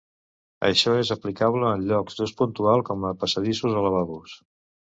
Això és aplicable en llocs d'ús puntual, com a passadissos o lavabos.